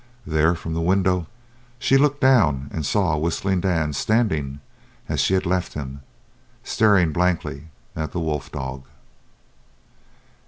There, from the window, she looked down and saw Whistling Dan standing as she had left him, staring blankly at the wolf dog.